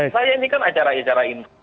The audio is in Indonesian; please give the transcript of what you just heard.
saya ini kan acara acara ini